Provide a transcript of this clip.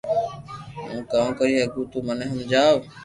ھون ڪاو ڪري ھگو تو مني ھمجاو